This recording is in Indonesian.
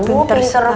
pinter banget sih